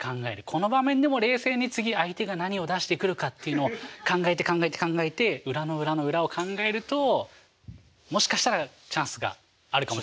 この場面でも冷静に次相手が何を出してくるかっていうのを考えて考えて考えて裏の裏の裏を考えるともしかしたらチャンスがあるかも。